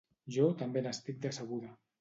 Jo també n’estic decebuda.